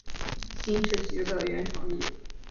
新秩序乐团成立。